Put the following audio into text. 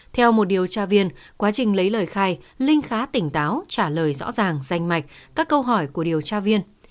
theo một điều tra viên quá trình lấy lời khai linh khá tỉnh táo trả lời rõ ràng danh mạch các câu hỏi của điều tra viên